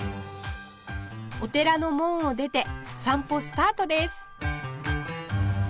お寺の門を出て散歩スタートです